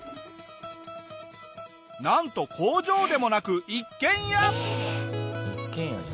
なんと工場でもなく一軒家！